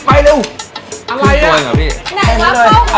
อะไรน่ะ